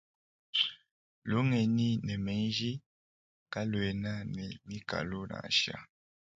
Lungenyi ne menji kaluena ne mikalu nansha.